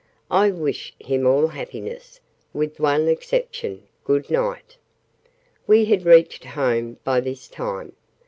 I wish him all happiness with one exception. Good night!" (We had reached home by this time.)